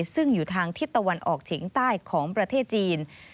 ซึ่งอยู่ทางทิศตะวันออกเฉียงใต้ของประเทศจีน